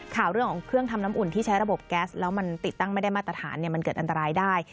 ข่าวเรื่องของเครื่องทำน้ำอุ่นที่ใช้ระบบแก๊สแล้วมันติดตั้งไม่ได้มาตรฐานมันเกิดอันตรายได้